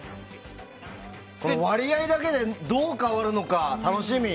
割合だけでどう変わるか楽しみ。